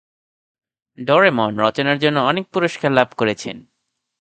Doraemon রচনার জন্য অনেক পুরস্কার লাভ করেছেন।